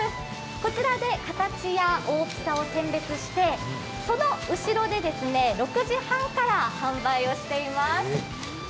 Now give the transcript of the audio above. こちらで形や大きさを選別してその後ろで６時半から販売をしています。